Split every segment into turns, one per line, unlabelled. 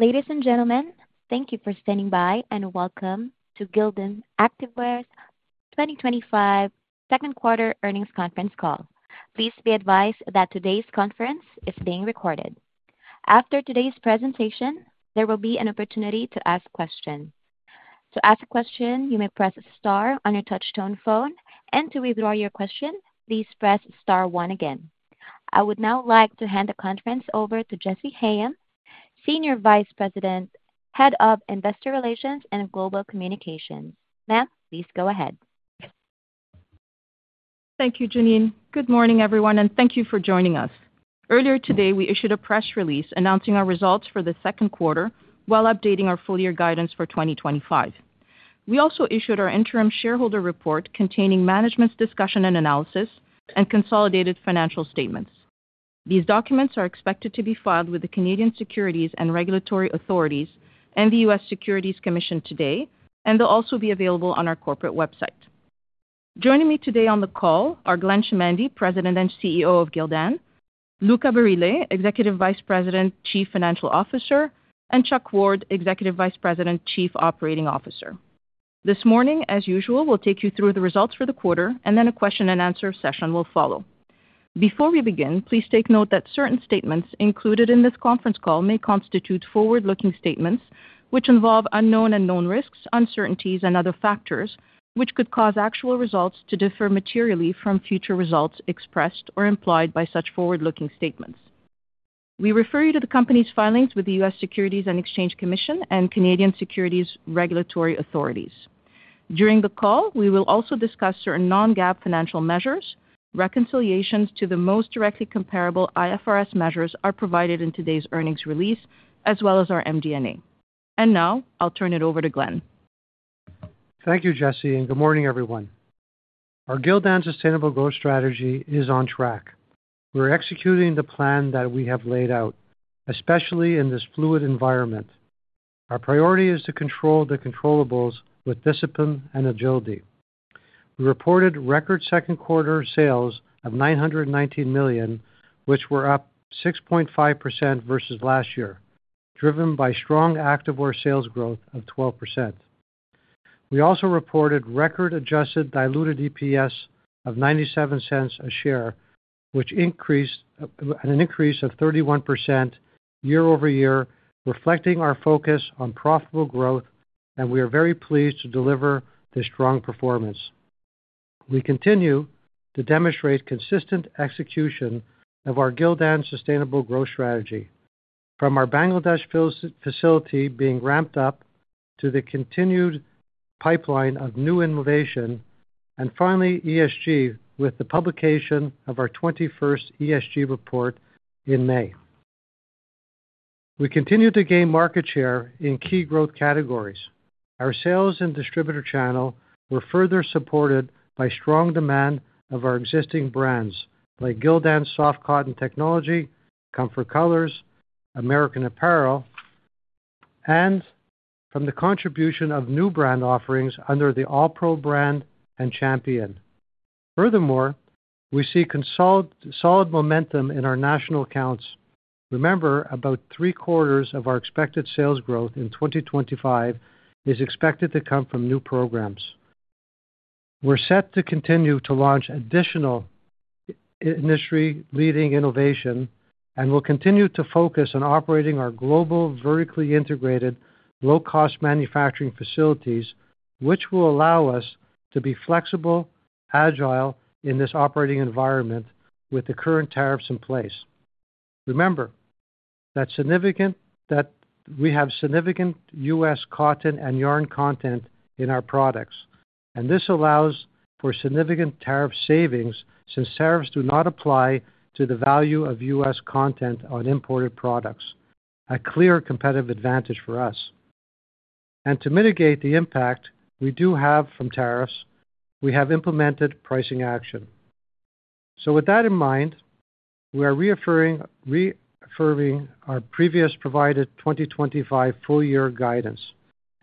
Ladies and gentlemen, thank you for standing by and welcome to Gildan Activewear's 2025 second quarter earnings conference call. Please be advised that today's conference is being recorded. After today's presentation, there will be an opportunity to ask questions. To ask a question, you may press star on your touch-tone phone, and to withdraw your question, please press star one again. I would now like to hand the conference over to Jessy Hayem, Senior Vice President, Head of Investor Relations and Global Communications. Ma'am, please go ahead.
Thank you, Janine. Good morning, everyone, and thank you for joining us. Earlier today, we issued a press release announcing our results for the second quarter while updating our full-year guidance for 2025. We also issued our interim shareholder report containing management's discussion and analysis and consolidated financial statements. These documents are expected to be filed with the Canadian Securities and Regulatory Authorities and the U.S. Securities Commission today, and they'll also be available on our corporate website. Joining me today on the call are Glenn Chamandy, President and CEO of Gildan Activewear, Luca Barile, Executive Vice President, Chief Financial Officer, and Chuck Ward, Executive Vice President, Chief Operating Officer. This morning, as usual, we'll take you through the results for the quarter, and then a question and answer session will follow. Before we begin, please take note that certain statements included in this conference call may constitute forward-looking statements, which involve unknown and known risks, uncertainties, and other factors which could cause actual results to differ materially from future results expressed or implied by such forward-looking statements. We refer you to the company's filings with the U.S. Securities and Exchange Commission and Canadian Securities Regulatory Authorities. During the call, we will also discuss certain non-GAAP financial measures. Reconciliations to the most directly comparable IFRS measures are provided in today's earnings release, as well as our MD&A. Now, I'll turn it over to Glenn.
Thank you, Jessy, and good morning, everyone. Our Gildan Sustainable Growth Strategy is on track. We're executing the plan that we have laid out, especially in this fluid environment. Our priority is to control the controllables with discipline and agility. We reported record second-quarter sales of $919 million, which were up 6.5% versus last year, driven by strong Activewear sales growth of 12%. We also reported record adjusted diluted EPS of $0.97 a share, which increased 31% year over year, reflecting our focus on profitable growth, and we are very pleased to deliver this strong performance. We continue to demonstrate consistent execution of our Gildan Sustainable Growth Strategy, from our Bangladesh facility being ramped up to the continued pipeline of new innovation, and finally, ESG with the publication of our 21st ESG report in May. We continue to gain market share in key growth categories. Our sales and distributor channel were further supported by strong demand of our existing brands like Gildan Soft Cotton Technology, Comfort Colors, American Apparel, and from the contribution of new brand offerings under the All Pro brand and Champion. Furthermore, we see solid momentum in our national accounts. Remember, about three quarters of our expected sales growth in 2025 is expected to come from new programs. We're set to continue to launch additional industry-leading innovation, and we'll continue to focus on operating our global, vertically integrated, low-cost manufacturing facilities, which will allow us to be flexible, agile in this operating environment with the current tariffs in place. Remember that we have significant U.S. cotton and yarn content in our products, and this allows for significant tariff savings since tariffs do not apply to the value of U.S. content on imported products, a clear competitive advantage for us. To mitigate the impact we do have from tariffs, we have implemented pricing action. With that in mind, we are reaffirming our previously provided 2025 full-year guidance,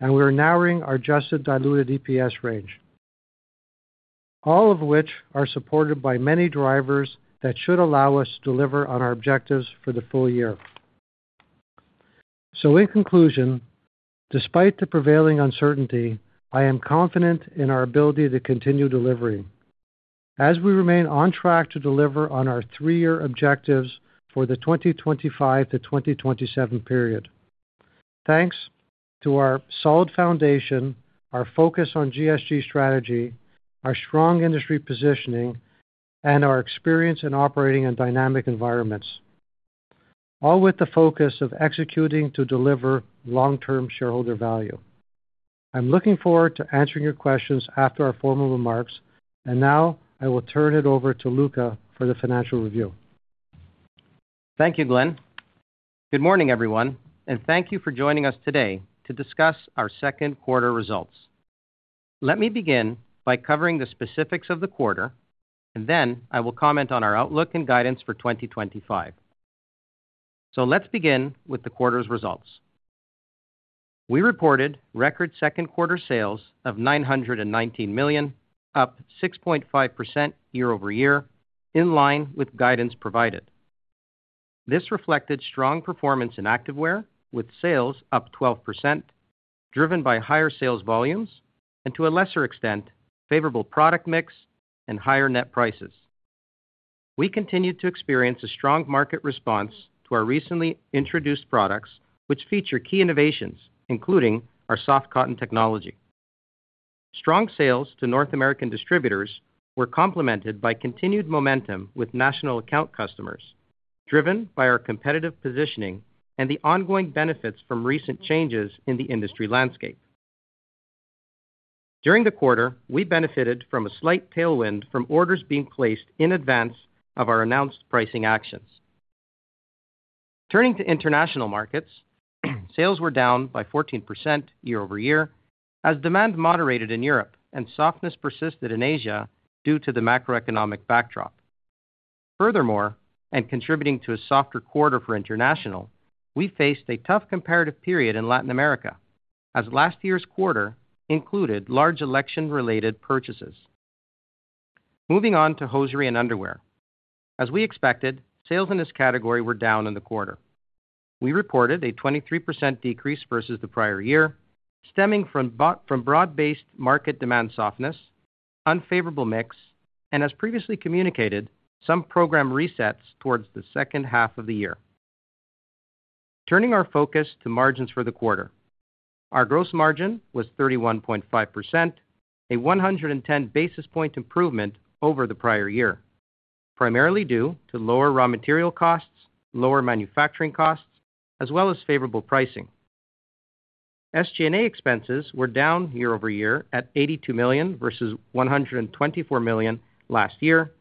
and we are narrowing our adjusted diluted EPS range, all of which are supported by many drivers that should allow us to deliver on our objectives for the full year. In conclusion, despite the prevailing uncertainty, I am confident in our ability to continue delivering as we remain on track to deliver on our three-year objectives for the 2025-2027 period. Thanks to our solid foundation, our focus on GSG strategy, our strong industry positioning, and our experience in operating in dynamic environments, all with the focus of executing to deliver long-term shareholder value. I'm looking forward to answering your questions after our formal remarks, and now I will turn it over to Luca for the financial review.
Thank you, Glenn. Good morning, everyone, and thank you for joining us today to discuss our second quarter results. Let me begin by covering the specifics of the quarter, and then I will comment on our outlook and guidance for 2025. Let's begin with the quarter's results. We reported record second-quarter sales of $919 million, up 6.5% year over year in line with guidance provided. This reflected strong performance in Activewear, with sales up 12%, driven by higher sales volumes and, to a lesser extent, favorable product mix and higher net prices. We continued to experience a strong market response to our recently introduced products, which feature key innovations, including our Soft Cotton Technology. Strong sales to North American distributors were complemented by continued momentum with national account customers, driven by our competitive positioning and the ongoing benefits from recent changes in the industry landscape. During the quarter, we benefited from a slight tailwind from orders being placed in advance of our announced pricing actions. Turning to international markets, sales were down by 14% year over year as demand moderated in Europe and softness persisted in Asia due to the macroeconomic backdrop. Furthermore, and contributing to a softer quarter for international, we faced a tough comparative period in Latin America, as last year's quarter included large election-related purchases. Moving on to Hosiery and Underwear. As we expected, sales in this category were down in the quarter. We reported a 23% decrease versus the prior year, stemming from broad-based market demand softness, unfavorable mix, and, as previously communicated, some program resets towards the second half of the year. Turning our focus to margins for the quarter, our gross margin was 31.5%, a 110 basis point improvement over the prior year, primarily due to lower raw material costs, lower manufacturing costs, as well as favorable pricing. SG&A expenses were down year over year at $82 million versus $124 million last year,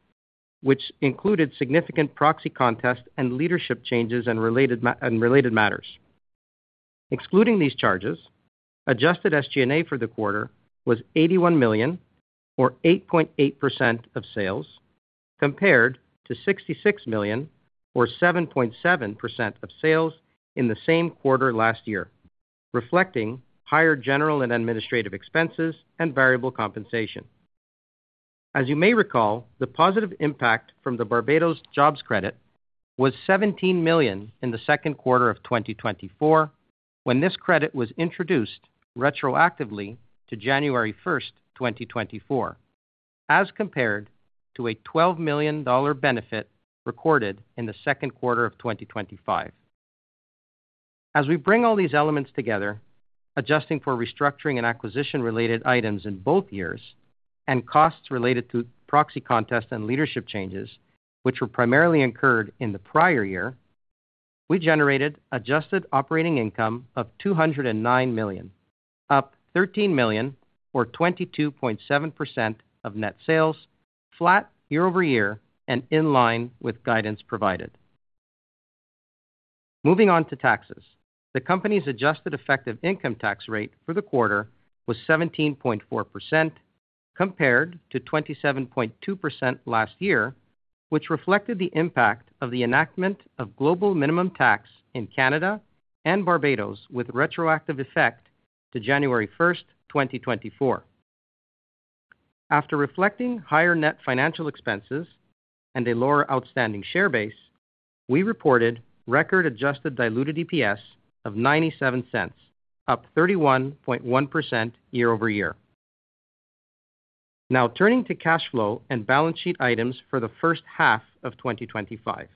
which included significant proxy contests and leadership changes in related matters. Excluding these charges, adjusted SG&A for the quarter was $81 million, or 8.8% of sales, compared to $66 million, or 7.7% of sales in the same quarter last year, reflecting higher general and administrative expenses and variable compensation. As you may recall, the positive impact from the Barbados Jobs Credit was $17 million in the second quarter of 2024 when this credit was introduced retroactively to January 1, 2024, as compared to a $12 million benefit recorded in the second quarter of 2025. As we bring all these elements together, adjusting for restructuring and acquisition-related items in both years and costs related to proxy contests and leadership changes, which were primarily incurred in the prior year, we generated adjusted operating income of $209 million, up $13 million, or 22.7% of net sales, flat year over year and in line with guidance provided. Moving on to taxes, the company's adjusted effective income tax rate for the quarter was 17.4%, compared to 27.2% last year, which reflected the impact of the enactment of global minimum tax in Canada and Barbados with retroactive effect to January 1, 2024. After reflecting higher net financial expenses and a lower outstanding share base, we reported record adjusted diluted EPS of $0.97, up 31.1% year over year. Now, turning to cash flow and balance sheet items for the first half of 2025.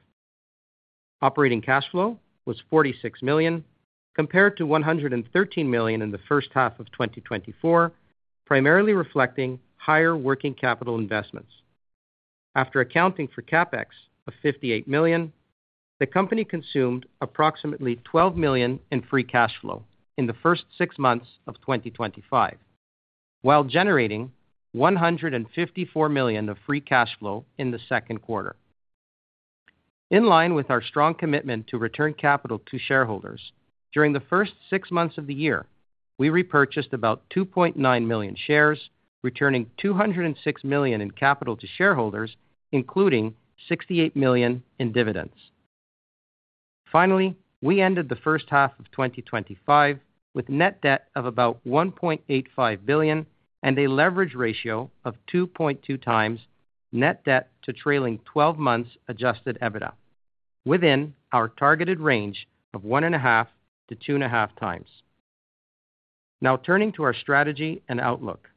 Operating cash flow was $46 million, compared to $113 million in the first half of 2024, primarily reflecting higher working capital investments. After accounting for CapEx of $58 million, the company consumed approximately $12 million in free cash flow in the first six months of 2025, while generating $154 million of free cash flow in the second quarter. In line with our strong commitment to return capital to shareholders, during the first six months of the year, we repurchased about 2.9 million shares, returning $206 million in capital to shareholders, including $68 million in dividends. Finally, we ended the first half of 2025 with net debt of about $1.85 billion and a leverage ratio of 2.2 times net debt to trailing 12 months adjusted EBITDA, within our targeted range of 1.5-2.5 times. Now, turning to our strategy and outlook.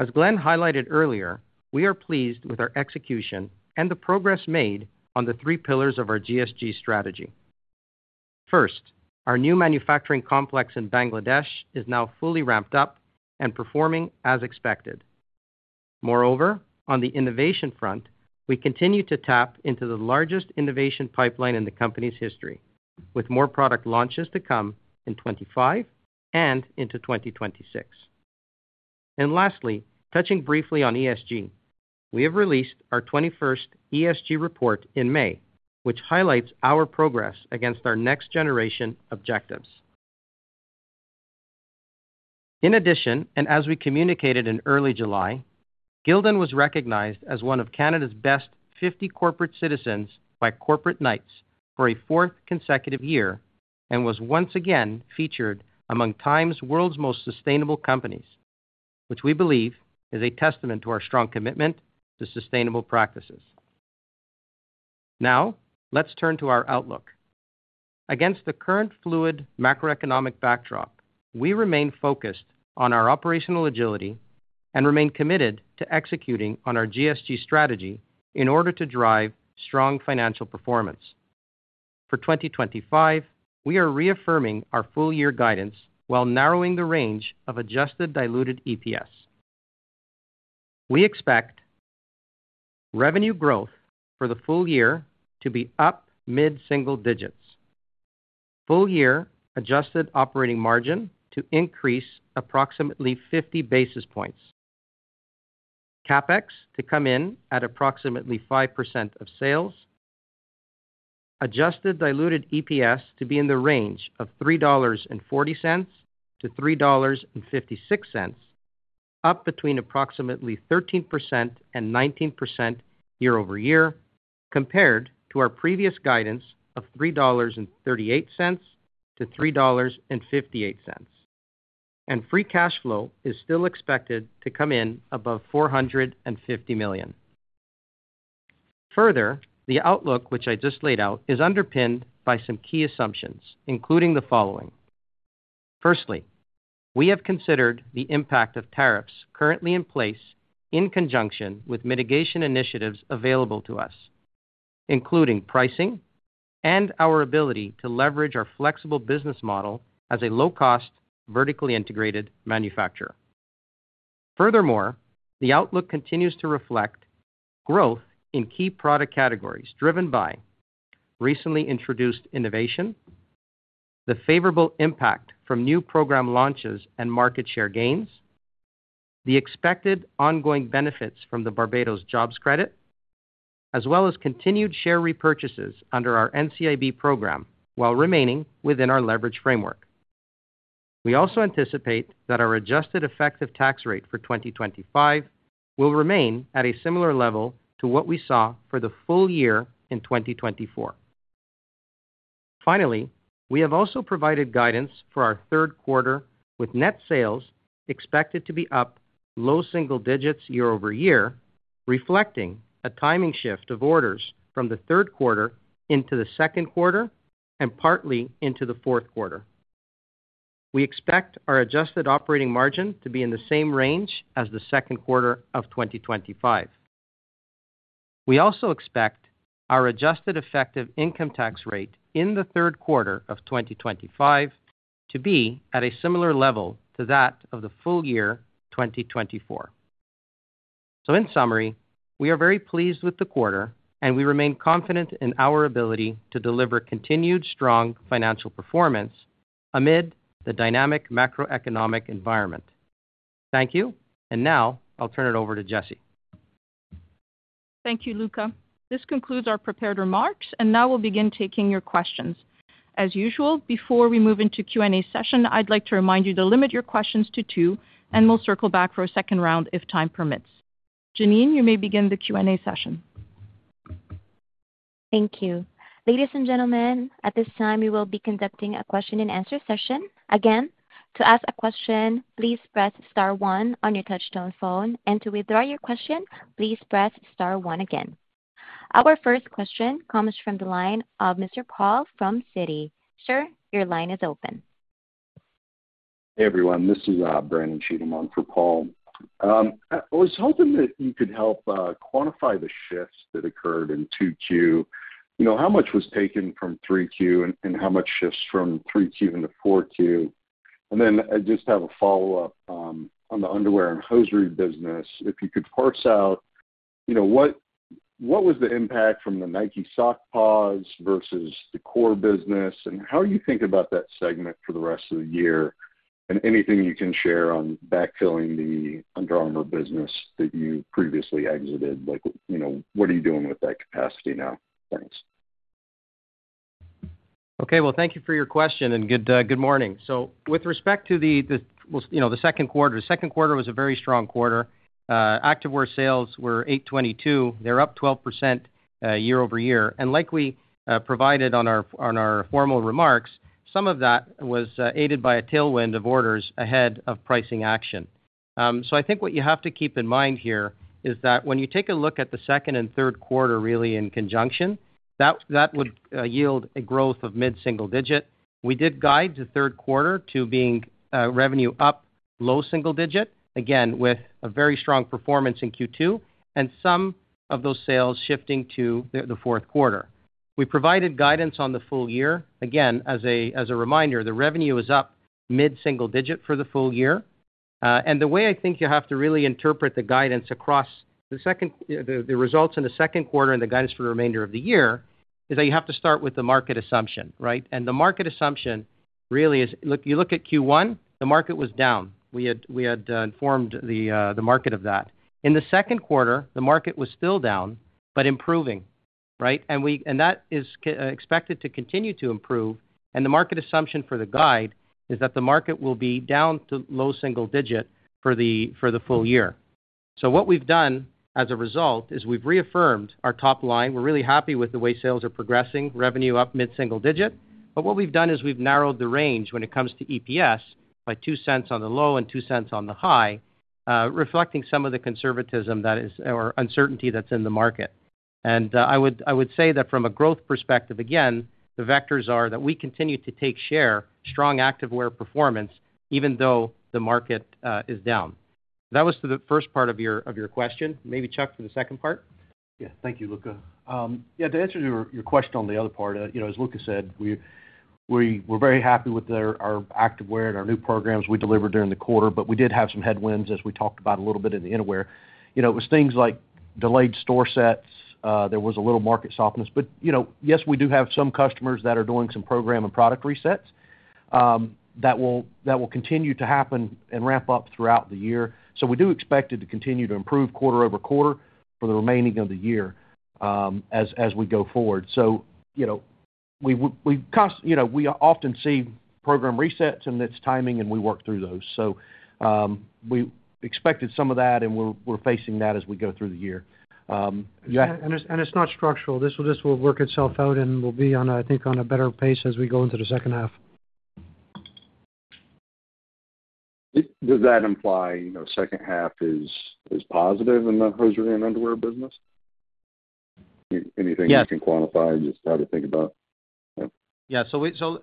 As Glenn highlighted earlier, we are pleased with our execution and the progress made on the three pillars of our ESG strategy. First, our new manufacturing complex in Bangladesh is now fully ramped up and performing as expected. Moreover, on the innovation front, we continue to tap into the largest innovation pipeline in the company's history, with more product launches to come in 2025 and into 2026. Lastly, touching briefly on ESG, we have released our 21st ESG report in May, which highlights our progress against our next-generation objectives. In addition, as we communicated in early July, Gildan was recognized as one of Canada's best 50 corporate citizens by Corporate Knights for a fourth consecutive year and was once again featured among TIME's world's most sustainable companies, which we believe is a testament to our strong commitment to sustainable practices. Now, let's turn to our outlook. Against the current fluid macroeconomic backdrop, we remain focused on our operational agility and remain committed to executing on our GSG strategy in order to drive strong financial performance. For 2025, we are reaffirming our full-year guidance while narrowing the range of adjusted diluted EPS. We expect revenue growth for the full year to be up mid-single digits, full-year adjusted operating margin to increase approximately 50 Basis points, CapEx to come in at approximately 5% of sales, adjusted diluted EPS to be in the range of $3.40-$3.56, up between approximately 13% and 19% year over year, compared to our previous guidance of $3.38-$3.58. Free cash flow is still expected to come in above $450 million. Further, the outlook which I just laid out is underpinned by some key assumptions, including the following. Firstly, we have considered the impact of tariffs currently in place in conjunction with mitigation initiatives available to us, including pricing and our ability to leverage our flexible business model as a low-cost, vertically integrated manufacturer. Furthermore, the outlook continues to reflect growth in key product categories driven by recently introduced innovation, the favorable impact from new program launches and market share gains, the expected ongoing benefits from the Barbados Jobs Credit, as well as continued share repurchases under our NCIB program while remaining within our leverage framework. We also anticipate that our adjusted effective tax rate for 2025 will remain at a similar level to what we saw for the full year in 2024. Finally, we have also provided guidance for our third quarter with net sales expected to be up low-single digits year over year, reflecting a timing shift of orders from the third quarter into the second quarter and partly into the fourth quarter. We expect our adjusted operating margin to be in the same range as the second quarter of 2025. We also expect our adjusted effective income tax rate in the third quarter of 2025 to be at a similar level to that of the full year 2024. In summary, we are very pleased with the quarter, and we remain confident in our ability to deliver continued strong financial performance amid the dynamic macroeconomic environment. Thank you, and now I'll turn it over to Jessy.
Thank you, Luca. This concludes our prepared remarks, and now we'll begin taking your questions. As usual, before we move into the Q&A session, I'd like to remind you to limit your questions to two, and we'll circle back for a second round if time permits. Janine, you may begin the Q&A session.
Thank you. Ladies and gentlemen, at this time, we will be conducting a question and answer session. Again, to ask a question, please press star one on your touch-tone phone, and to withdraw your question, please press star one again. Our first question comes from the line of Mr. Paul from Citi. Sir, your line is open.
Hey, everyone. This is Brandon Cheatham on for Paul. I was hoping that you could help quantify the shifts that occurred in 2Q. You know, how much was taken from 3Q and how much shifts from 3Q into 4Q? I just have a follow-up on the Underwear and Hosiery business. If you could parse out, you know, what was the impact from the Nike sock pause versus the core business, and how do you think about that segment for the rest of the year? Anything you can share on backfilling the Under Armour business that you previously exited? Like, you know, what are you doing with that capacity now? Thanks.
Thank you for your question and good morning. With respect to the second quarter, the second quarter was a very strong quarter. Activewear sales were $822 million. They're up 12% year over year. Like we provided on our formal remarks, some of that was aided by a tailwind of orders ahead of pricing action. I think what you have to keep in mind here is that when you take a look at the second and third quarter really in conjunction, that would yield a growth of mid-single digit. We did guide the third quarter to being revenue up low-single digit, again, with a very strong performance in Q2 and some of those sales shifting to the fourth quarter. We provided guidance on the full year. As a reminder, the revenue is up mid-single digit for the full year. The way I think you have to really interpret the guidance across the results in the second quarter and the guidance for the remainder of the year is that you have to start with the market assumption, right? The market assumption really is, look, you look at Q1, the market was down. We had informed the market of that. In the second quarter, the market was still down but improving, right? That is expected to continue to improve. The market assumption for the guide is that the market will be down to low single digit for the full year. What we've done as a result is we've reaffirmed our top line. We're really happy with the way sales are progressing, revenue up mid-single digit. What we've done is we've narrowed the range when it comes to EPS by $0.02 on the low and $0.02 on the high, reflecting some of the conservatism or uncertainty that's in the market. I would say that from a growth perspective, again, the vectors are that we continue to take share, strong Activewear performance, even though the market is down. That was the first part of your question. Maybe Chuck for the second part?
Thank you, Luca. To answer your question on the other part, as Luca said, we're very happy with our Activewear and our new programs we delivered during the quarter, but we did have some headwinds, as we talked about a little bit in the innerwear. It was things like delayed store sets. There was a little market softness. We do have some customers that are doing some program and product resets that will continue to happen and ramp up throughout the year. We do expect it to continue to improve quarter over quarter for the remaining of the year as we go forward. We often see program resets and its timing, and we work through those. We expected some of that, and we're facing that as we go through the year.
Yeah, it's not structural. This will work itself out and will be, I think, on a better pace as we go into the second half.
Does that imply the second half is positive in the Hosiery and Underwear business? Anything you can quantify? Just try to think about.
Yeah,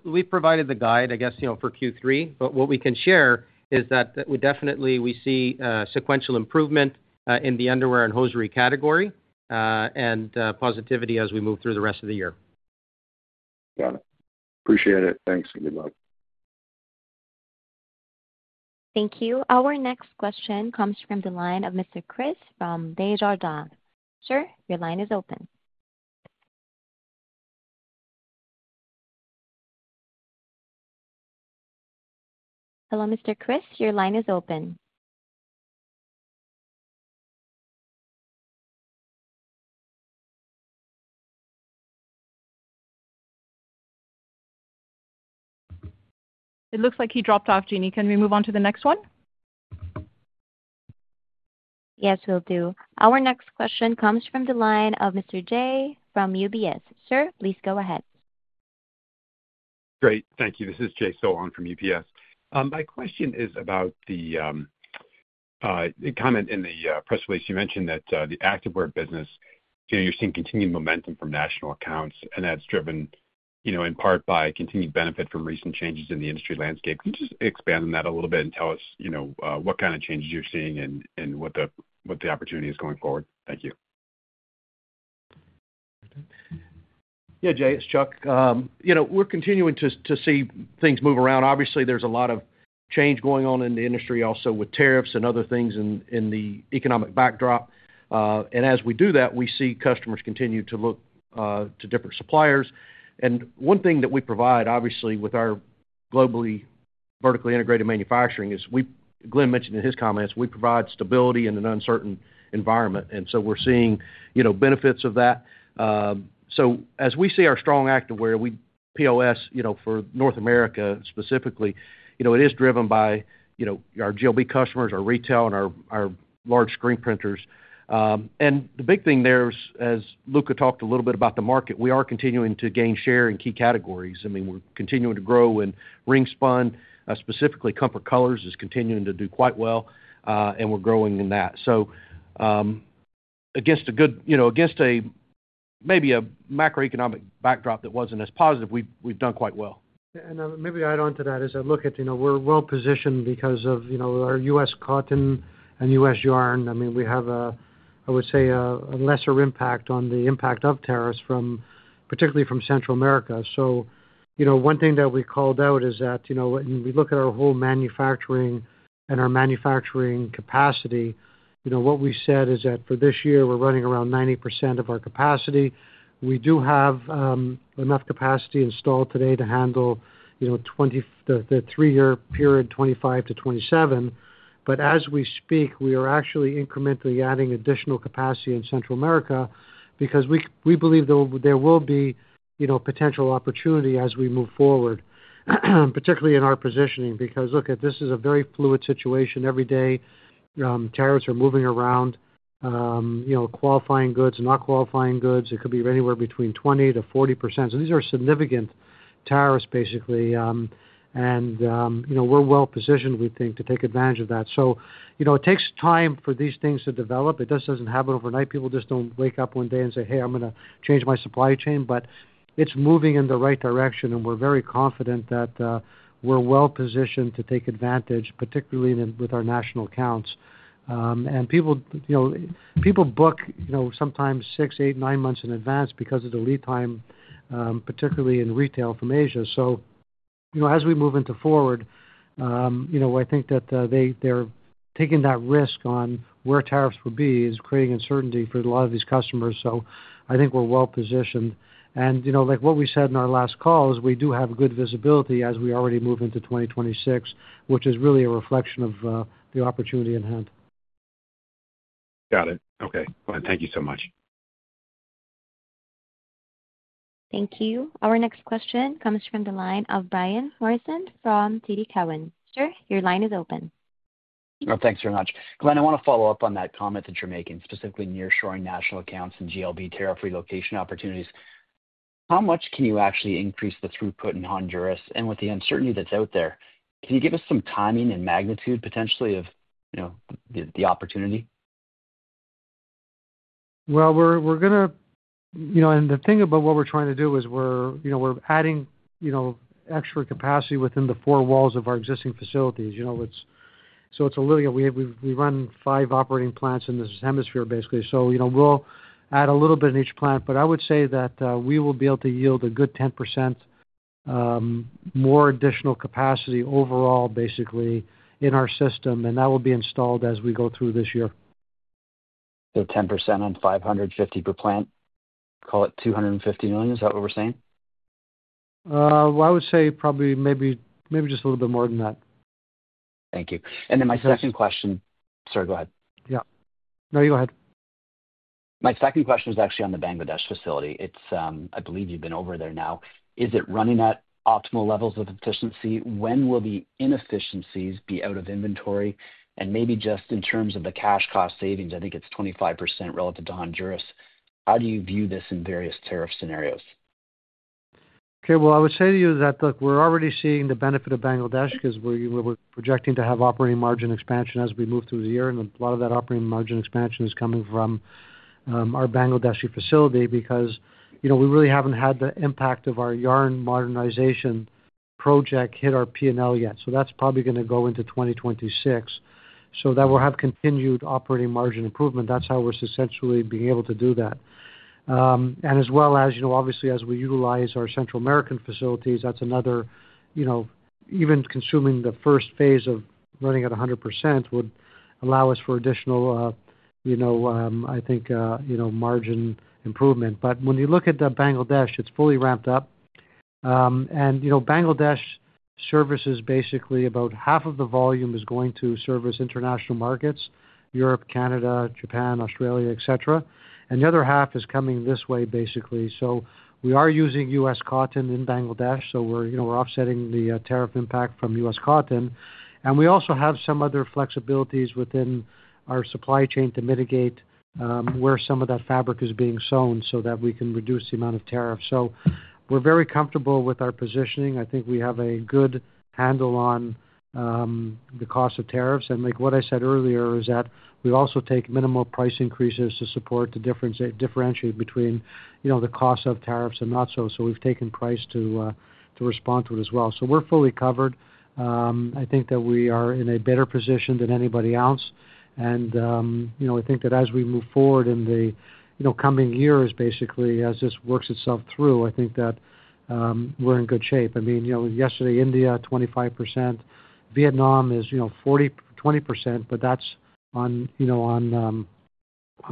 we provided the guide, I guess, you know, for Q3. What we can share is that we definitely see sequential improvement in the Underwear and Hosiery category and positivity as we move through the rest of the year.
Got it. Appreciate it. Thanks and good luck.
Thank you. Our next question comes from the line of Mr. Chris from Desjardins. Sir, your line is open. Hello Mr. Chris, your line is open.
It looks like he dropped off, Janine. Can we move on to the next one?
Yes, will do. Our next question comes from the line of Mr. Jay from UBS. Sir, please go ahead.
Great, thank you. This is Jay Sole from UBS. My question is about the comment in the press release you mentioned that the Activewear business, you know, you're seeing continued momentum from national accounts, and that's driven, you know, in part by continued benefit from recent changes in the industry landscape. Can you just expand on that a little bit and tell us, you know, what kind of changes you're seeing and what the opportunity is going forward? Thank you.
Yeah, Jay, it's Chuck. We're continuing to see things move around. Obviously, there's a lot of change going on in the industry, also with tariffs and other things in the economic backdrop. As we do that, we see customers continue to look to different suppliers. One thing that we provide, obviously, with our globally vertically integrated manufacturing is, as Glenn mentioned in his comments, we provide stability in an uncertain environment. We're seeing benefits of that. As we see our strong Activewear, our POS, for North America specifically, it is driven by our GLB customers, our retail, and our large screen printers. The big thing there is, as Luca talked a little bit about the market, we are continuing to gain share in key categories. We're continuing to grow in ring spun. Specifically, Comfort Colors is continuing to do quite well, and we're growing in that. Against a maybe a macroeconomic backdrop that wasn't as positive, we've done quite well.
Maybe add on to that is I look at, you know, we're well positioned because of, you know, our U.S. cotton and U.S. yarn. I mean, we have, I would say, a lesser impact on the impact of tariffs from, particularly from Central America. One thing that we called out is that, you know, when we look at our whole manufacturing and our manufacturing capacity, what we said is that for this year, we're running around 90% of our capacity. We do have enough capacity installed today to handle, you know, the three-year period, 2025 -2027. As we speak, we are actually incrementally adding additional capacity in Central America because we believe there will be, you know, potential opportunity as we move forward, particularly in our positioning. This is a very fluid situation. Every day, tariffs are moving around, you know, qualifying goods, not qualifying goods. It could be anywhere between 20%-40%. These are significant tariffs, basically. We're well positioned, we think, to take advantage of that. It takes time for these things to develop. It just doesn't happen overnight. People just don't wake up one day and say, "Hey, I'm going to change my supply chain." It's moving in the right direction, and we're very confident that we're well positioned to take advantage, particularly with our national accounts. People, you know, people book, you know, sometimes six, eight, nine months in advance because of the lead time, particularly in retail from Asia. As we move forward, you know, I think that they're taking that risk on where tariffs will be is creating uncertainty for a lot of these customers. I think we're well positioned. Like what we said in our last calls, we do have good visibility as we already move into 2026, which is really a reflection of the opportunity in hand.
Got it. Okay, thank you so much.
Thank you. Our next question comes from the line of Brian Morrison from TD Cowen. Sir, your line is open.
Oh, thanks very much. Glenn, I want to follow up on that comment that you're making, specifically nearshoring national accounts and GLB tariff relocation opportunities. How much can you actually increase the throughput in Honduras? With the uncertainty that's out there, can you give us some timing and magnitude potentially of, you know, the opportunity?
We're going to, you know, the thing about what we're trying to do is we're, you know, we're adding, you know, extra capacity within the four walls of our existing facilities. It's a little bit, we run five operating plants in this hemisphere, basically. We'll add a little bit in each plant. I would say that we will be able to yield a good 10% more additional capacity overall, basically in our system. That will be installed as we go through this year.
it 10% on $550 million per plant? Call it $250 million. Is that what we're saying?
I would say probably maybe just a little bit more than that.
Thank you. My second question— Sorry, go ahead.
Yeah, no, you go ahead.
My second question is actually on the Bangladesh facility. I believe you've been over there now. Is it running at optimal levels of efficiency? When will the inefficiencies be out of inventory? Maybe just in terms of the cash cost savings, I think it's 25% relative to Honduras. How do you view this in various tariff scenarios?
Okay, I would say to you that, look, we're already seeing the benefit of Bangladesh because we're projecting to have operating margin expansion as we move through the year. A lot of that operating margin expansion is coming from our Bangladesh facility because we really haven't had the impact of our yarn modernization project hit our P&L yet. That's probably going to go into 2026. That will have continued operating margin improvement. That's how we're essentially being able to do that. As well as, obviously, as we utilize our Central American facilities, even consuming the first phase of running at 100% would allow us for additional margin improvement. When you look at Bangladesh, it's fully ramped up. Bangladesh services basically about half of the volume is going to service international markets Europe, Canada, Japan, Australia, etc. The other half is coming this way, basically. We are using U.S. cotton in Bangladesh, so we're offsetting the tariff impact from U.S. cotton. We also have some other flexibilities within our supply chain to mitigate where some of that fabric is being sewn so that we can reduce the amount of tariffs. We're very comfortable with our positioning. I think we have a good handle on the cost of tariffs. Like what I said earlier, we also take minimal price increases to support, to differentiate between the cost of tariffs and not. We've taken price to respond to it as well. We're fully covered, I think that we are in a better position than anybody else. I think that as we move forward in the coming years, basically, as this works itself through, I think that we're in good shape. Yesterday, India, 25%. Vietnam is 20%, but that's on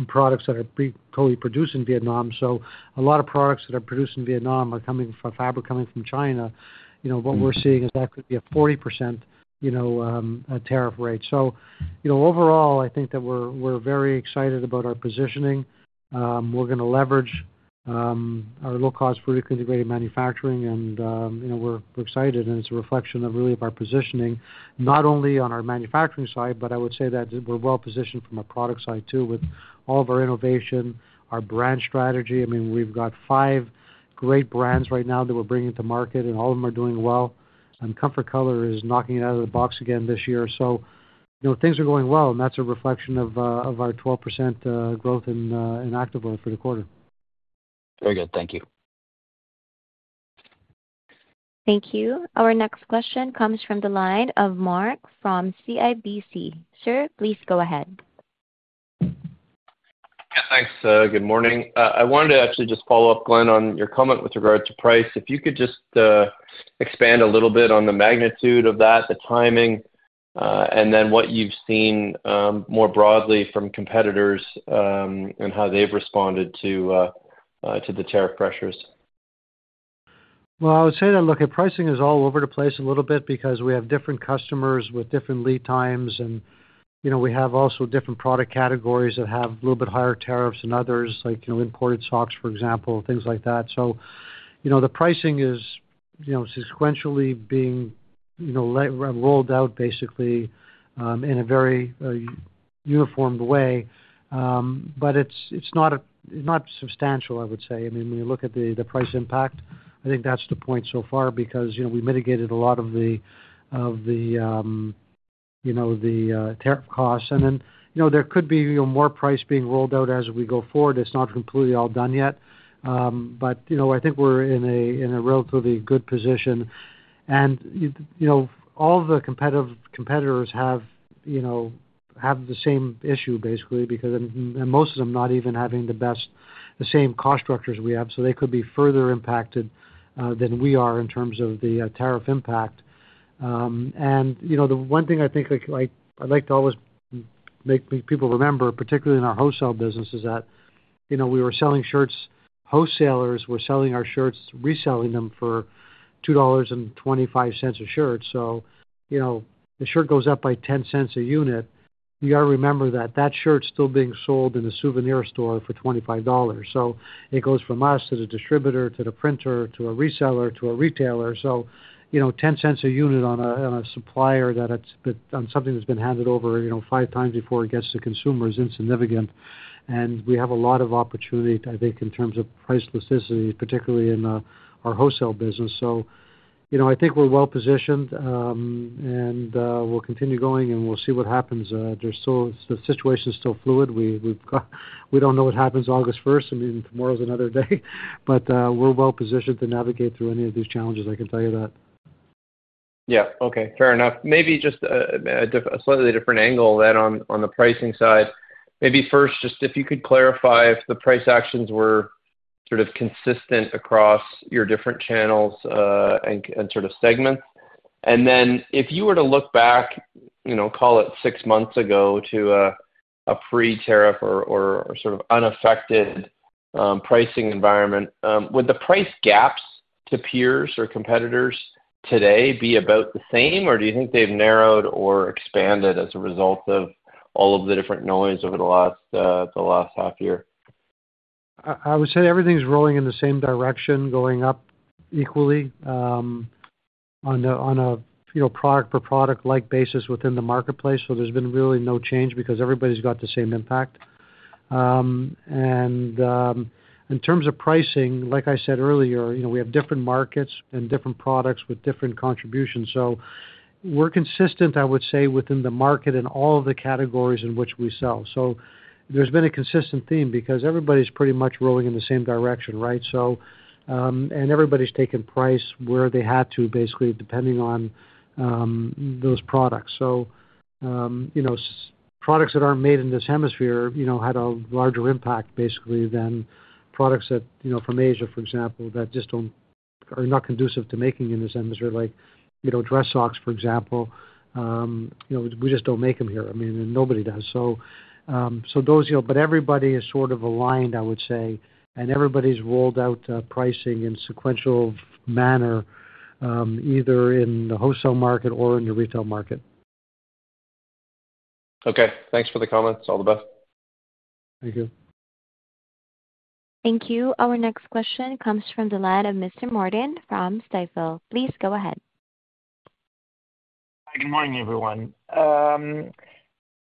products that are being totally produced in Vietnam. A lot of products that are produced in Vietnam are coming from a fabric coming from China. What we're seeing is that could be a 40% tariff rate. Overall, I think that we're very excited about our positioning. We're going to leverage our low-cost vertically integrated manufacturing. We're excited. It's a reflection of our positioning, not only on our manufacturing side, but I would say that we're well positioned from a product side too, with all of our innovation, our brand strategy. We've got five great brands right now that we're bringing to market, and all of them are doing well. Comfort Colors is knocking it out of the box again this year. Things are going well. That's a reflection of our 12% growth in Activewear for the quarter.
Very good. Thank you.
Thank you. Our next question comes from the line of Mark from CIBC. Sir, please go ahead. Yeah, thanks. Good morning. I wanted to actually just follow up, Glenn, on your comment with regard to price. If you could just expand a little bit on the magnitude of that, the timing, and then what you've seen more broadly from competitors, and how they've responded to the tariff pressures.
I would say that, look, pricing is all over the place a little bit because we have different customers with different lead times. We have also different product categories that have a little bit higher tariffs than others, like imported socks, for example, things like that. The pricing is sequentially being rolled out, basically, in a very uniform way, but it's not substantial, I would say. I mean, when you look at the price impact, I think that's the point so far because we mitigated a lot of the tariff costs. There could be more price being rolled out as we go forward. It's not completely all done yet. I think we're in a relatively good position. All the competitors have the same issue basically, because most of them not even having the same cost structures we have. They could be further impacted than we are in terms of the tariff impact. The one thing I think I like to always make people remember, particularly in our wholesale business, is that we were selling shirts. Wholesalers were selling our shirts, reselling them for $2.25 a shirt. The shirt goes up by $0.10 a unit. You got to remember that that shirt is still being sold in a souvenir store for $25. It goes from us to the distributor to the printer to a reseller to a retailer. $0.10 a unit on a supplier that it's been on something that's been handed over five times before it gets to consumer is insignificant. We have a lot of opportunity, I think, in terms of price elasticity, particularly in our wholesale business. I think we're well positioned. We'll continue going, and we'll see what happens. The situation is still fluid. We don't know what happens August 1st tomorrow is another day. We're well positioned to navigate through any of these challenges, I can tell you that. Yeah, okay. Fair enough. Maybe just a slightly different angle then on the pricing side. Maybe first, just if you could clarify if the price actions were sort of consistent across your different channels and sort of segments. If you were to look back, you know, call it six months ago to a pre-tariff or sort of unaffected pricing environment, would the price gaps to peers or competitors today be about the same, or do you think they've narrowed or expanded as a result of all of the different noise over the last half year? I would say everything's rolling in the same direction, going up equally on a product-per-product-like basis within the marketplace. There's been really no change because everybody's got the same impact. In terms of pricing, like I said earlier, we have different markets and different products with different contributions. We're consistent, I would say, within the market in all of the categories in which we sell. There's been a consistent theme because everybody's pretty much rolling in the same direction, right? Everybody's taken price where they had to, basically, depending on those products. Products that aren't made in this hemisphere had a larger impact, basically, than products from Asia, for example, that just are not conducive to making in this hemisphere, like dress socks, for example. We just don't make them here, and nobody does. Those, but everybody is sort of aligned, I would say, and everybody's rolled out pricing in a sequential manner, either in the wholesale market or in the retail market. Okay, thanks for the comments. All the best. Thank you.
Thank you. Our next question comes from the line of Mr. Martin from Stifel. Please go ahead.
Hi, good morning, everyone.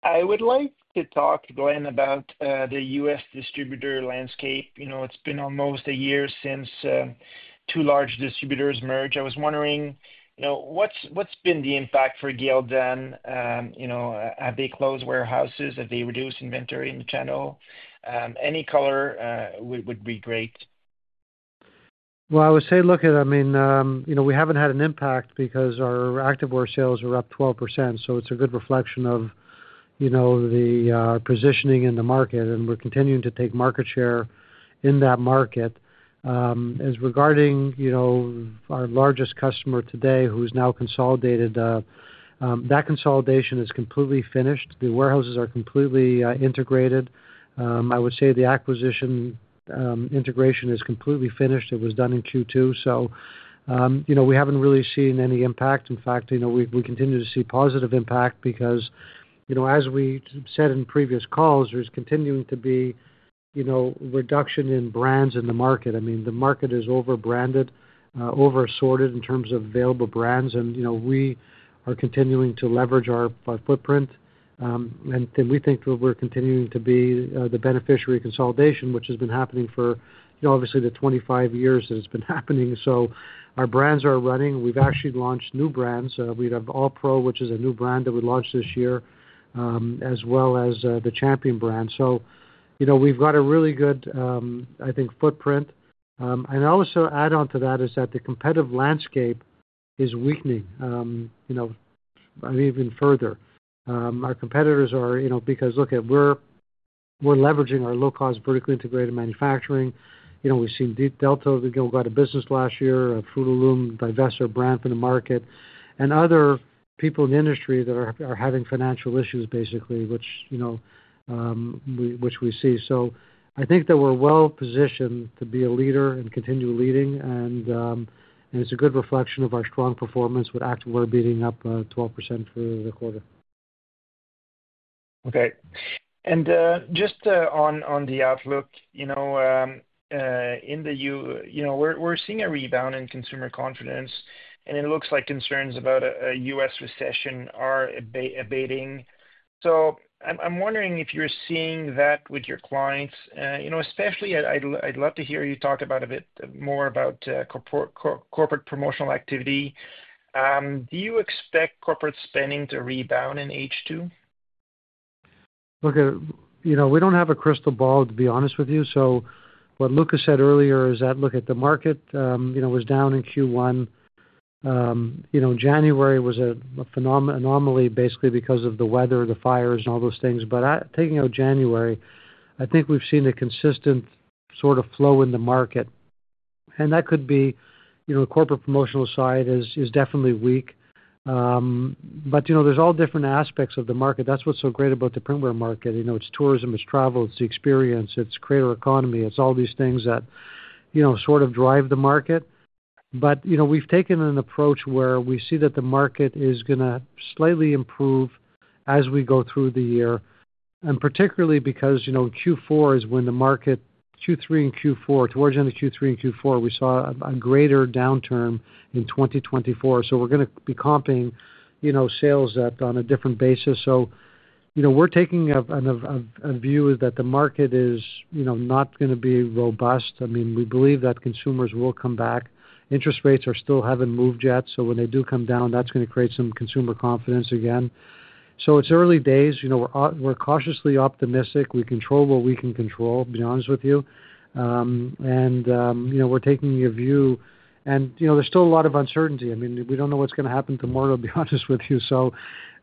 I would like to talk to Glenn about the U.S. distributor landscape. You know, it's been almost a year since two large distributors merged. I was wondering, you know, what's been the impact for Gildan? You know, have they closed warehouses? Have they reduced inventory in the channel? Any color would be great.
I would say, look, I mean, you know, we haven't had an impact because our Activewear sales were up 12%. It's a good reflection of, you know, the positioning in the market, and we're continuing to take market share in that market. As regarding, you know, our largest customer today, who's now consolidated, that consolidation is completely finished. The warehouses are completely integrated. I would say the acquisition integration is completely finished. It was done in Q2. You know, we haven't really seen any impact. In fact, you know, we continue to see positive impact because, you know, as we said in previous calls there's continuing to be, you know, reduction in brands in the market. The market is overbranded, over sorted in terms of available brands and you know, we are continuing to leverage our footprint. We think that we're continuing to be the beneficiary of consolidation, which has been happening for, you know, obviously, the 25 years that it's been happening. Our brands are running. We've actually launched new brands. We have All Pro, which is a new brand that we launched this year, as well as the Champion brand. We've got a really good, I think, footprint. I also add on to that is that the competitive landscape is weakening, you know, even further. Our competitors are, you know, because, look, we're leveraging our low-cost vertically integrated manufacturing. We've seen Delta go out of business last year, Fruit of the Loom divest our brand from the market, and other people in the industry that are having financial issues, basically, which, you know, which we see. I think that we're well positioned to be a leader and continue leading. It's a good reflection of our strong performance with Activewear being up 12% for the quarter.
Okay. Just on the outlook, you know, in the U.S. we're seeing a rebound in consumer confidence. It looks like concerns about a U.S. recession are abating. I'm wondering if you're seeing that with your clients, especially I'd love to hear you talk a bit more about corporate promotional activity. Do you expect corporate spending to rebound in H2?
Look, you know, we don't have a crystal ball, to be honest with you. What Luca said earlier is that, look, the market was down in Q1. January was a phenomenal anomaly, basically, because of the weather, the fires, and all those things. Taking out January, I think we've seen a consistent sort of flow in the market. That could be, you know, the corporate promotional side is definitely weak. There are all different aspects of the market. That's what's so great about the printwear market. It's tourism, it's travel, it's the experience, it's creator economy. It's all these things that sort of drive the market. We've taken an approach where we see that the market is going to slightly improve as we go through the year, particularly because Q4 is when the market Q3 and Q4, towards the end of Q3 and Q4, we saw a greater downturn in 2024. We're going to be comping sales on a different basis. We're taking a view that the market is not going to be robust. I mean, we believe that consumers will come back. Interest rates still haven't moved yet. When they do come down, that's going to create some consumer confidence again. It's early days. We're cautiously optimistic. We control what we can control, to be honest with you. We're taking a view. There's still a lot of uncertainty we don't know what's going to happen tomorrow, to be honest with you.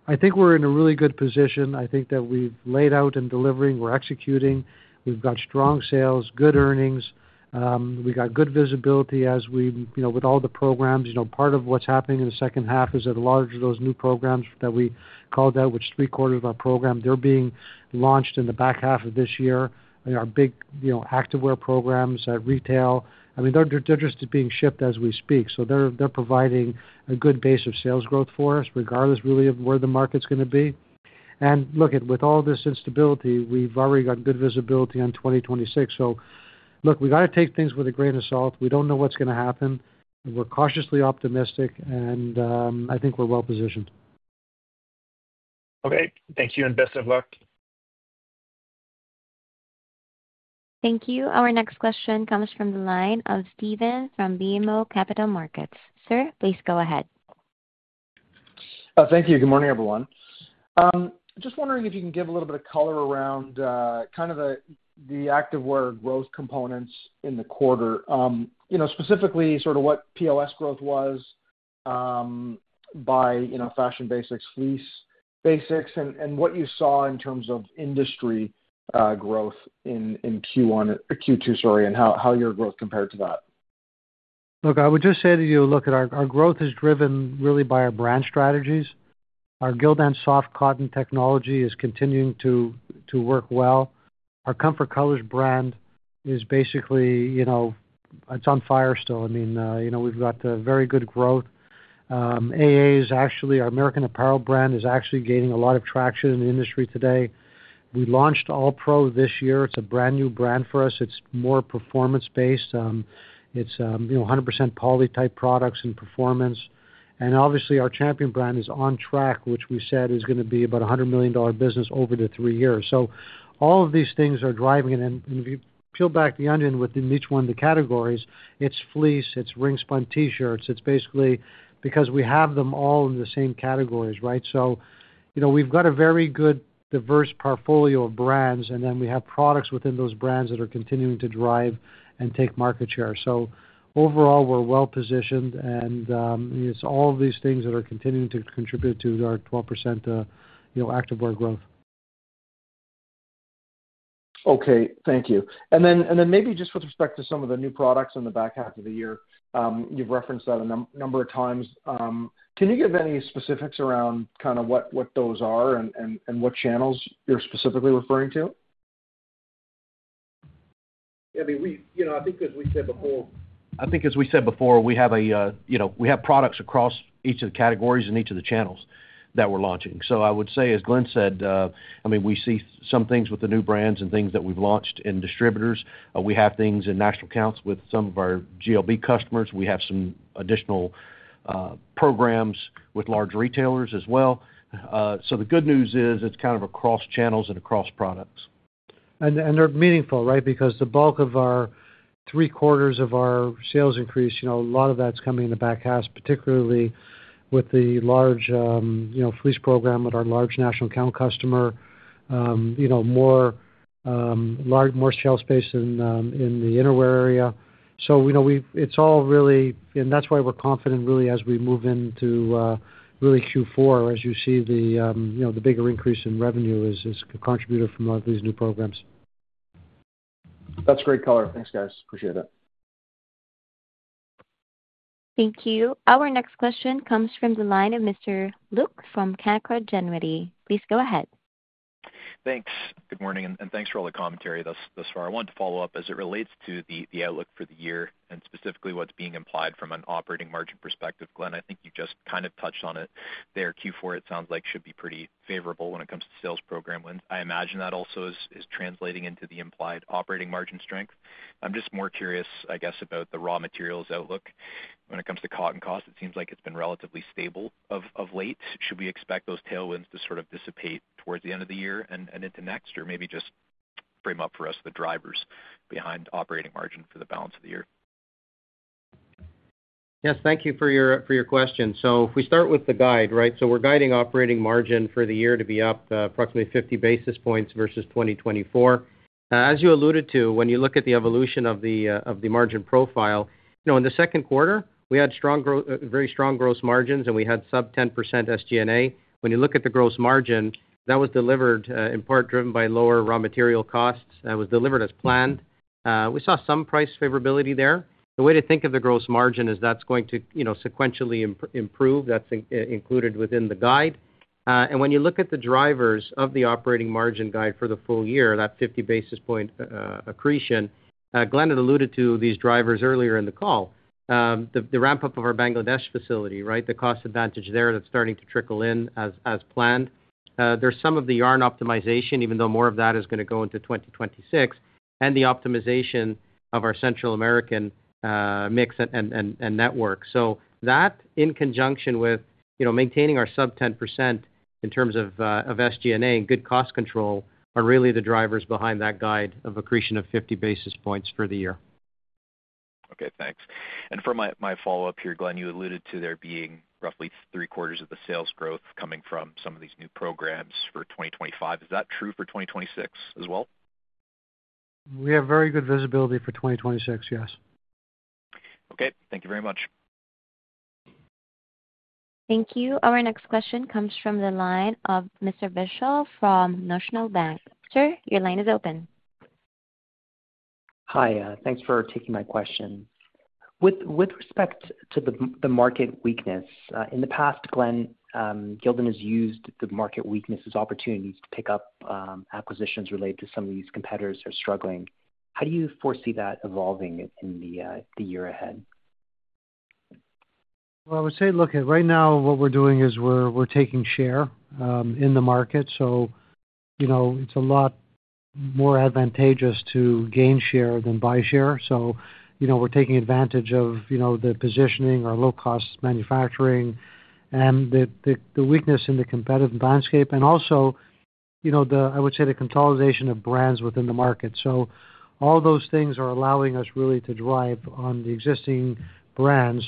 I think we're in a really good position. I think that we've laid out and delivering. We're executing. We've got strong sales, good earnings, we got good visibility as we, you know, with all the programs. Part of what's happening in the second half is that a large of those new programs that we called out, which three-quarters of our program, they're being launched in the back half of this year. Our big Activewear programs at retail, I mean they're just being shipped as we speak. They're providing a good base of sales growth for us regardless really of where the market's going to be. With all this instability, we've already got good visibility on 2026. We got to take things with a grain of salt. We don't know what's going to happen, we're cautiously optimistic. I think we're well positioned.
Okay. Thank you and best of luck.
Thank you. Our next question comes from the line of Steven from BMO Capital Markets. Sir, please go ahead. Thank you. Good morning, everyone. Just wondering if you can give a little bit of color around kind of the Activewear growth components in the quarter. Specifically, what POS growth was by Fashion Basics, Fleece Basics, and what you saw in terms of industry growth in Q2, and how your growth compared to that.
I would just say to you, our growth is driven really by our brand strategies. Our Gildan Soft Cotton Technology is continuing to work well. Our Comfort Colors brand is basically, you know, it's on fire still. I mean, we've got very good growth. AA is actually our American Apparel brand, is actually gaining a lot of traction in the industry today. We launched All Pro this year. It's a brand new brand for us. It's more performance-based. It's, you know, 100% poly-type products and performance. Obviously, our Champion brand is on track, which we said is going to be about a $100 million business over the three years. All of these things are driving it. If you peel back the onion within each one of the categories, it's fleece, it's ring spun t-shirts. It's basically because we have them all in the same categories, right? We've got a very good diverse portfolio of brands, and then we have products within those brands that are continuing to drive and take market share. Overall, we're well positioned. It's all of these things that are continuing to contribute to our 12% Activewear growth. Thank you. Maybe just with respect to some of the new products in the back half of the year, you've referenced that a number of times. Can you give any specifics around what those are and what channels you're specifically referring to?
Yeah, I mean, I think as we said before, we have products across each of the categories and each of the channels that we're launching. I would say, as Glenn said, we see some things with the new brands and things that we've launched in distributors. We have things in national accounts with some of our GLB customers. We have some additional programs with large retailers as well. The good news is it's kind of across channels and across products.
They're meaningful, right? Because the bulk of our three-quarters of our sales increase, a lot of that's coming in the back half, particularly with the large fleece program with our large national account customer, more shelf space in the innerwear area. It's all really, and that's why we're confident really as we move into really Q4, as you see the bigger increase in revenue is contributed from these new programs. That's great color. Thanks, guys. Appreciate it.
Thank you. Our next question comes from the line of Mr. Luke from Canaccord Genuity. Please go ahead.
Thanks. Good morning. Thanks for all the commentary thus far. I wanted to follow up as it relates to the outlook for the year and specifically what's being implied from an operating margin perspective. Glenn, I think you just kind of touched on it there. Q4, it sounds like, should be pretty favorable when it comes to sales program wins. I imagine that also is translating into the implied operating margin strength. I'm just more curious, I guess, about the raw materials outlook. When it comes to cotton cost, it seems like it's been relatively stable of late. Should we expect those tailwinds to sort of dissipate towards the end of the year and into next? Maybe just frame up for us the drivers behind operating margin for the balance of the year?
Yes, thank you for your question. If we start with the guide, right? We're guiding operating margin for the year to be up approximately 50 basis points versus 2024. As you alluded to, when you look at the evolution of the margin profile, in the second quarter, we had very strong gross margins, and we had sub-10% SG&A. When you look at the gross margin, that was delivered in part driven by lower raw material costs. That was delivered as planned. We saw some price favorability there. The way to think of the gross margin is that's going to sequentially improve. That's included within the guide. When you look at the drivers of the operating margin guide for the full year, that 50 basis point accretion, Glenn had alluded to these drivers earlier in the call. The ramp-up of our Bangladesh facility, right? The cost advantage there that's starting to trickle in as planned. There's some of the yarn optimization, even though more of that is going to go into 2026, and the optimization of our Central America mix and network. That in conjunction with maintaining our sub-10% in terms of SG&A and good cost control are really the drivers behind that guide of accretion of 50 basis points for the year.
Okay, thanks. For my follow-up here, Glenn, you alluded to there being roughly three-quarters of the sales growth coming from some of these new programs for 2025. Is that true for 2026 as well?
We have very good visibility for 2026, yes.
Okay, thank you very much.
Thank you. Our next question comes from the line of Mr. Vishal from National Bank. Sir, your line is open.
Hi, thanks for taking my question. With respect to the market weakness, in the past, Glenn, Gildan has used the market weakness as opportunities to pick up acquisitions related to some of these competitors that are struggling. How do you foresee that evolving in the year ahead?
Right now what we're doing is we're taking share in the market. It's a lot more advantageous to gain share than buy share. We're taking advantage of the positioning, our low-cost manufacturing, and the weakness in the competitive landscape. I would say the consolidation of brands within the market is also allowing us to really drive on the existing brands.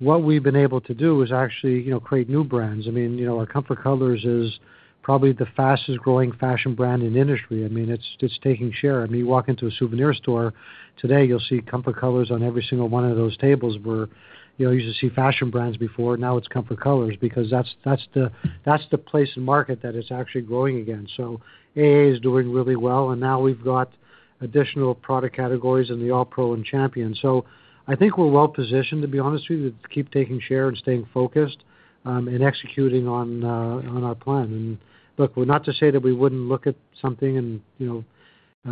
What we've been able to do is actually create new brands. Our Comfort Colors is probably the fastest growing fashion brand in the industry. It's taking share. You walk into a souvenir store today, you'll see Comfort Colors on every single one of those tables where you used to see fashion brands before. Now it's Comfort Colors because that's the place in market that it's actually growing again. AA is doing really well. Now we've got additional product categories in the All Pro and Champion. I think we're well positioned, to be honest with you, to keep taking share and staying focused and executing on our plan. Not to say that we wouldn't look at something at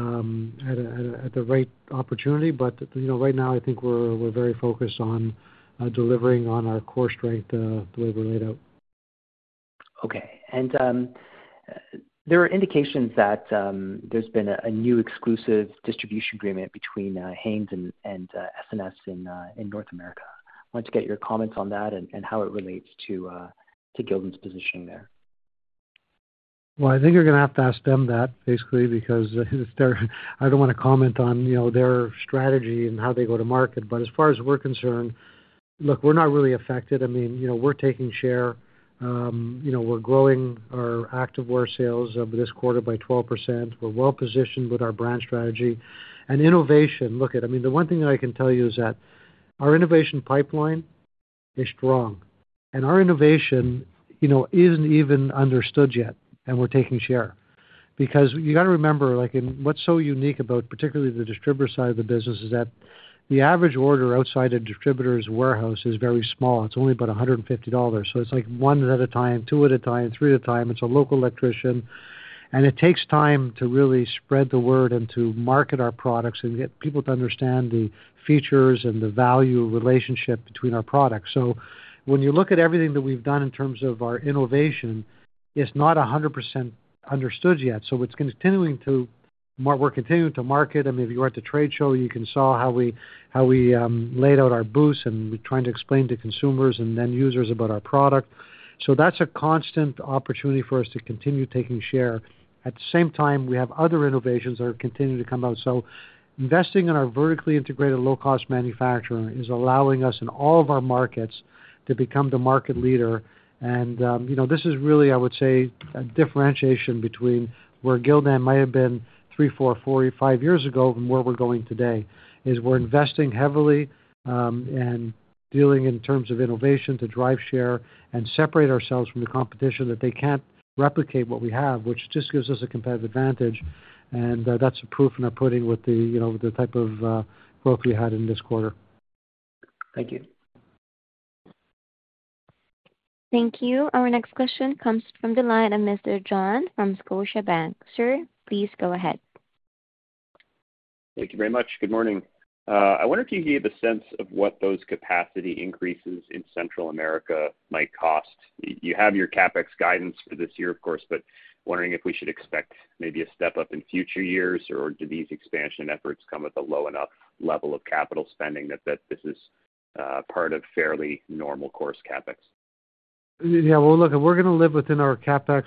the right opportunity, but right now I think we're very focused on delivering on our core strength the way we're laid out.
Okay. There are indications that there's been a new exclusive distribution agreement between Hanes and S&S in North America. I wanted to get your comments on that and how it relates to Gildan's positioning there.
I think you're going to have to ask them that basically because I don't want to comment on, you know, their strategy and how they go to market. As far as we're concerned, look, we're not really affected. I mean, you know, we're taking share. You know, we're growing our Activewear sales this quarter by 12%. We're well positioned with our brand strategy and innovation. Look at it I mean, the one thing that I can tell you is that our innovation pipeline is strong, and our innovation, you know, isn't even understood yet. We're taking share because you got to remember, like, what's so unique about particularly the distributor side of the business is that the average order outside a distributor's warehouse is very small. It's only about $150. It's like one at a time, two at a time, three at a time. It's a local electrician, and it takes time to really spread the word and to market our products and get people to understand the features and the value relationship between our products. When you look at everything that we've done in terms of our innovation, it's not 100% understood yet we're continuing to market. I mean, if you were at the trade show, you saw how we laid out our booths and we're trying to explain to consumers and end users about our product. That's a constant opportunity for us to continue taking share. At the same time, we have other innovations that are continuing to come out. Investing in our vertically integrated low-cost manufacturing is allowing us in all of our markets to become the market leader. This is really, I would say, a differentiation between where Gildan might have been three, four, five years ago and where we're going today. We're investing heavily and dealing in terms of innovation to drive share and separate ourselves from the competition so that they can't replicate what we have, which just gives us a competitive advantage. That's proof in our pudding with the type of growth we had in this quarter.
Thank you.
Thank you. Our next question comes from the line of Mr. John from Scotiabank. Sir, please go ahead. Thank you very much. Good morning. I wonder if you gave a sense of what those capacity increases in Central America might cost. You have your CapEx guidance for this year, of course, but wondering if we should expect maybe a step up in future years, or do these expansion efforts come at the low enough level of capital spending that this is part of fairly normal course CapEx?
Yeah, look, we're going to live within our CapEx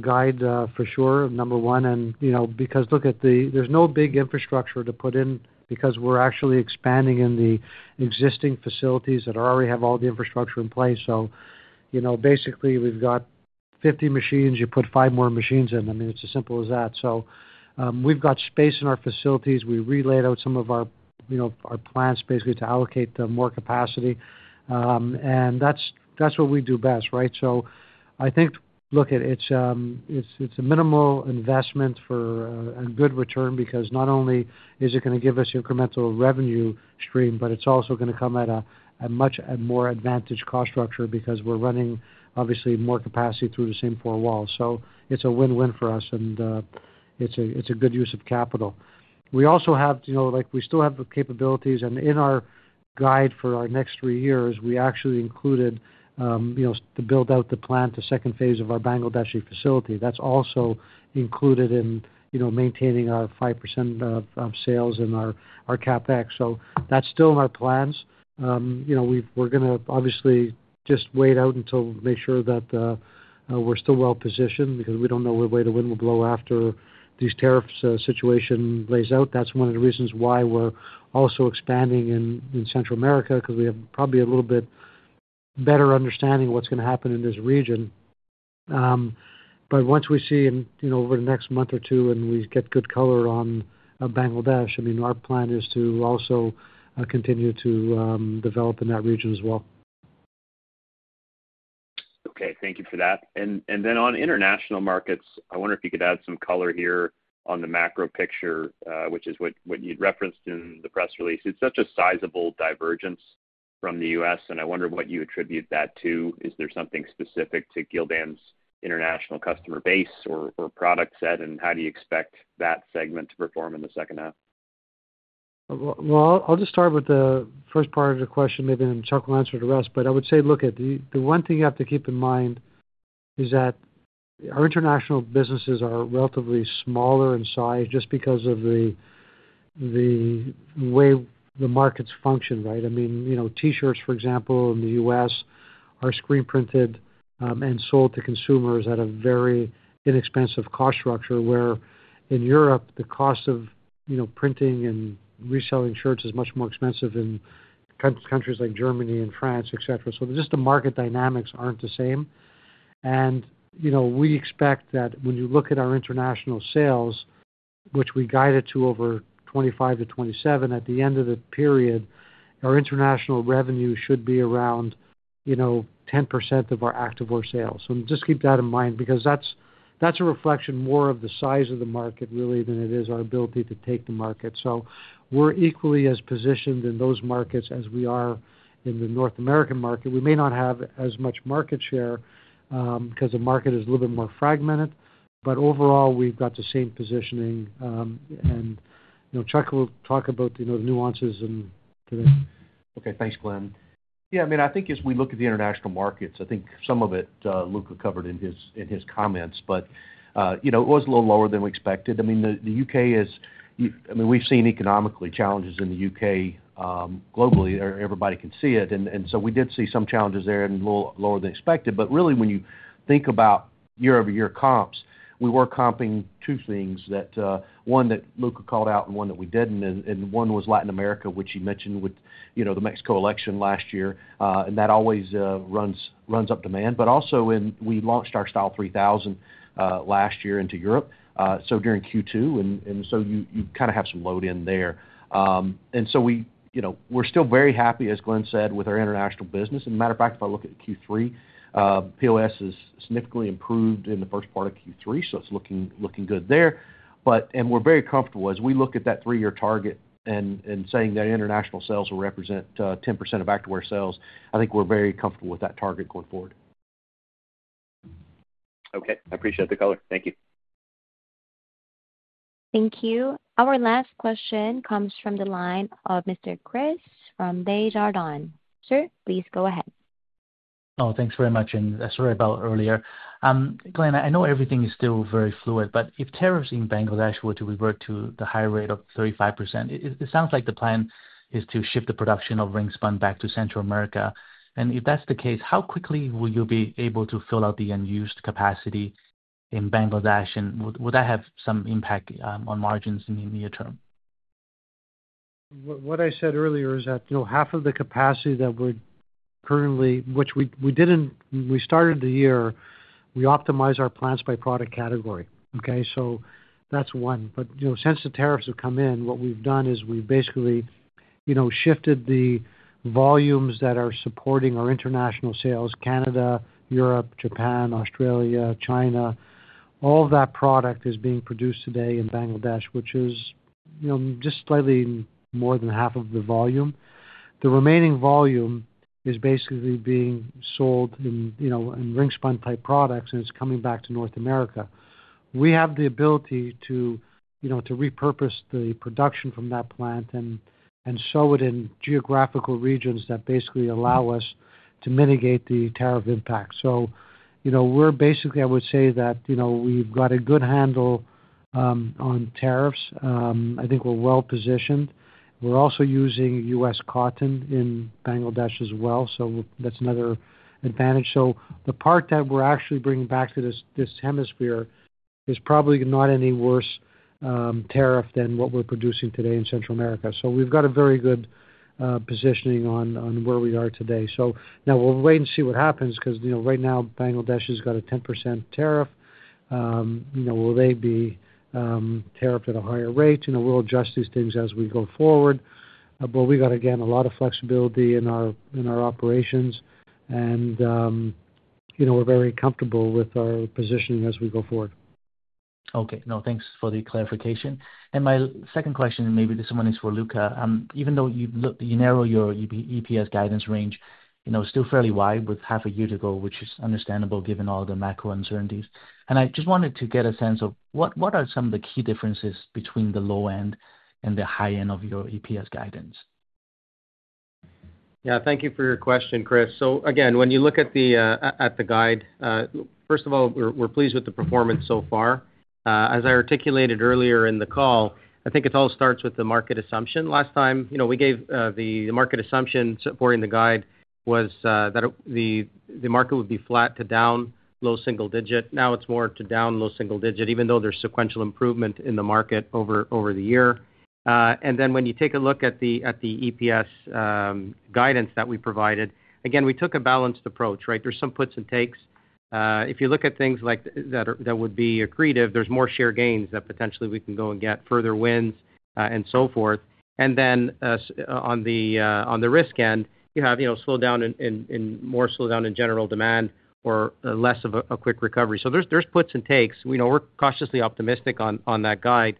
guide for sure, number one because look at the, there's no big infrastructure to put in because we're actually expanding in the existing facilities that already have all the infrastructure in place. Basically, we've got 50 machines. You put five more machines in. I mean, it's as simple as that. We've got space in our facilities. We relayed out some of our plants basically to allocate the more capacity. That's what we do best, right? I think look, it's a minimal investment for a good return because not only is it going to give us incremental revenue stream, but it's also going to come at a much more advantaged cost structure because we're running obviously more capacity through the same four walls. It's a win-win for us. It's a good use of capital. We also have, you know, like we still have the capabilities. In our guide for our next three years, we actually included, you know, to build out the plan to the second phase of our Bangladesh facility. That's also included in, you know, maintaining our five percent of sales and our CapEx. That's still in our plans. We're going to obviously just wait out until we make sure that we're still well positioned because we don't know what way the wind will blow after this tariff situation lays out. That's one of the reasons why we're also expanding in Central America because we have probably a little bit better understanding of what's going to happen in this region. Once we see, you know, over the next month or two and we get good color on Bangladesh, I mean, our plan is to also continue to develop in that region as well. Okay, thank you for that. On international markets, I wonder if you could add some color here on the macro picture, which is what you'd referenced in the press release. It's such a sizable divergence from the U.S. I wonder what you attribute that to. Is there something specific to Gildan Activewear's international customer base or product set? How do you expect that segment to perform in the second half? I'll just start with the first part of the question, maybe then Chuck might answer the rest. I would say, look, the one thing you have to keep in mind is that our international businesses are relatively smaller in size just because of the way the markets function, right? I mean, you know, t-shirts, for example, in the U.S. are screen printed and sold to consumers at a very inexpensive cost structure, where in Europe, the cost of, you know, printing and reselling shirts is much more expensive in countries like Germany and France, etc. Just the market dynamics aren't the same. You know, we expect that when you look at our international sales, which we guided to over 25% -27%, at the end of the period, our international revenue should be around, you know, 10% of our Activewear sales. Just keep that in mind because that's a reflection more of the size of the market really than it is our ability to take the market. We're equally as positioned in those markets as we are in the North American market. We may not have as much market share because the market is a little bit more fragmented. Overall, we've got the same positioning. You know, Chuck will talk about the nuances today.
Okay, thanks, Glenn. Yeah, I mean, I think as we look at the international markets, I think some of it Luca covered in his comments, but it was a little lower than we expected. I mean, the UK is, I mean, we've seen economically challenges in the UK globally. Everybody can see it. We did see some challenges there and a little lower than expected. Really, when you think about year-over-year comps, we were comping two things one that Luca called out and one that we didn't. One was Latin America, which he mentioned with the Mexico election last year. That always runs up demand. Also, we launched our Style 3000 last year into Europe during Q2, and you kind of have some load in there. We are still very happy, as Glenn said, with our international business. As a matter of fact, if I look at Q3, POS has significantly improved in the first part of Q3. It's looking good there. We're very comfortable as we look at that three-year target and saying that international sales will represent 10% of Activewear sales. I think we're very comfortable with that target going forward. Okay, I appreciate the color. Thank you.
Thank you. Our last question comes from the line of Mr. Chris from Desjardins. Sir, please go ahead.
Thanks very much. Sorry about earlier. Glenn, I know everything is still very fluid, but if tariffs in Bangladesh were to revert to the high rate of 35%, it sounds like the plan is to shift the production of ring spun back to Central America. If that's the case, how quickly will you be able to fill out the unused capacity in Bangladesh? Would that have some impact on margins in the near term?
What I said earlier is that half of the capacity that we're currently, which we didn't, we started the year, we optimized our plants by product category. That's one. Since the tariffs have come in, what we've done is we've basically shifted the volumes that are supporting our international sales Canada, Europe, Japan, Australia, China. All of that product is being produced today in Bangladesh, which is just slightly more than half of the volume. The remaining volume is basically being sold in ring spun type products, and it's coming back to North America. We have the ability to repurpose the production from that plant within geographical regions that allow us to mitigate the tariff impact. We're basically, I would say that we've got a good handle on tariffs. I think we're well positioned. We're also using U.S. cotton in Bangladesh as well, so that's another advantage. The part that we're actually bringing back to this hemisphere is probably not any worse tariff than what we're producing today in Central America. We've got a very good positioning on where we are today. Now we'll wait and see what happens because right now Bangladesh has got a 10% tariff. Will they be tariffed at a higher rate? We'll adjust these things as we go forward. We've got, again, a lot of flexibility in our operations, and we're very comfortable with our positioning as we go forward.
Okay, thanks for the clarification. My second question, and maybe this one is for Luca, even though you narrow your EPS guidance range, it's still fairly wide with half a year to go, which is understandable given all the macro uncertainties. I just wanted to get a sense of what are some of the key differences between the low end and the high end of your EPS guidance?
Yeah, thank you for your question, Chris. Again, when you look at the guide, first of all, we're pleased with the performance so far. As I articulated earlier in the call, I think it all starts with the market assumption. Last time, you know, we gave the market assumption supporting the guide was that the market would be flat to down low-single digit. Now it's more to down low-single digit, even though there's sequential improvement in the market over the year. When you take a look at the EPS guidance that we provided, again, we took a balanced approach, right? There's some puts and takes. If you look at things like that would be accretive, there's more share gains that potentially we can go and get further wins and so forth. On the risk end, you have, you know, slow down in more slow down in general demand or less of a quick recovery. There's puts and takes. We're cautiously optimistic on that guide,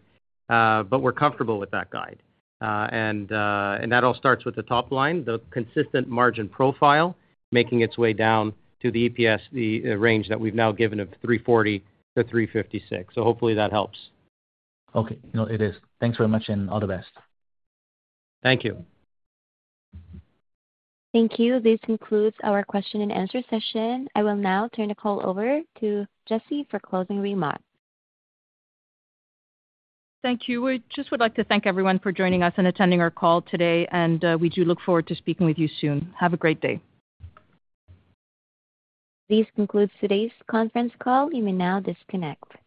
but we're comfortable with that guide. That all starts with the top line, the consistent margin profile making its way down to the EPS range that we've now given of $3.40-$3.56. Hopefully that helps.
Okay. No, it is. Thanks very much, and all the best.
Thank you.
Thank you. This concludes our question and answer session. I will now turn the call over to Jessy for closing remarks.
Thank you. We just would like to thank everyone for joining us and attending our call today. We do look forward to speaking with you soon. Have a great day.
This concludes today's conference call. You may now disconnect.